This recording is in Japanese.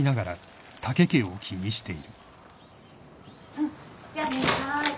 うんじゃあねはい。